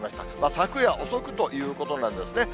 昨夜遅くということなんですね。